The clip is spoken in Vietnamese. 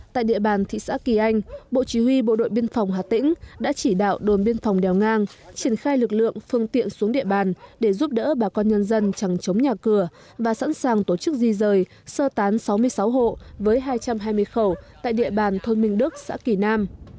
tại địa bàn thị xã kỳ anh bộ chỉ huy bộ đội biên phòng hà tĩnh đã chỉ đạo đồn biên phòng đèo ngang triển khai lực lượng phương tiện xuống địa bàn để giúp đỡ bà con nhân dân chẳng chống nhà cửa và sẵn sàng tổ chức di rời sơ tán sáu mươi sáu hộ với hai trăm hai mươi khẩu tại địa bàn thôn minh đức xã kỳ nam